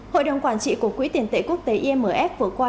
hội đồng quản trị của quỹ tiền tệ quốc tế imf vừa qua